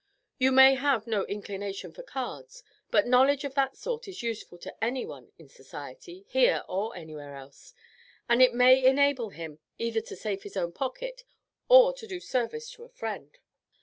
You may have no inclination for cards, but knowledge of that sort is useful to anyone in society, here or anywhere else, and may enable him either to save his own pocket or to do a service to a friend."